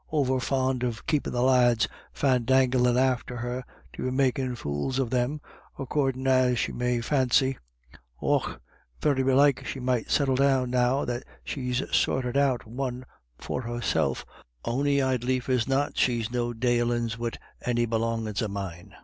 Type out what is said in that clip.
Over fond of keepin' the lads fandanglin' after her, to be makin' fools of them, accordin' as she may fancy. Och, very belike she might settle down now that she's sorted out one for herself, on'y I'd as lief as not she'd no dalins wid any belongins of mine.